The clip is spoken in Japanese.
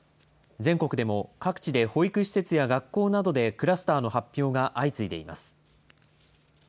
全国でも各地で保育施設や学校などでクラスターの発表が相次いでいます。